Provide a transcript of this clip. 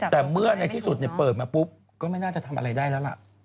แต่เมื่อในที่สุดเปิดมาปุ๊บก็ไม่น่าจะทำอะไรได้แล้วล่ะ